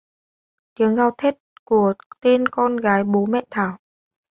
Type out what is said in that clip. Tiếng gào thét của tên con gái của bố mẹ Thảo